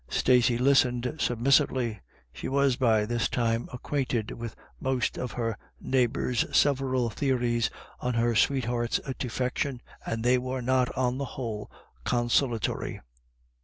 Stacey listened submissively. She was by this time acquainted with most of her neighbours' several theories as to her sweetheart's defection, and they were not on the whole consolatory.